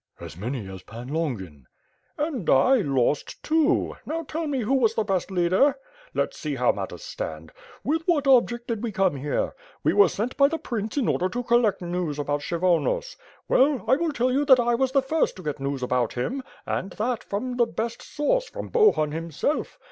"As many as Pan Longin." "And I lost two; now tell me who was the best leader? Let's see how matters stand? With what object did we come here? We were sent by the prince in order to collect news about Kshyvonos. Well, I will tell you that I was the first to get news about him, and that from the best source, from Bohun himself.